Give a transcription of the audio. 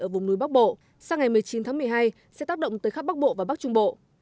ở vùng núi bắc bộ sang ngày một mươi chín tháng một mươi hai sẽ tác động tới khắp bắc bộ và bắc trung bộ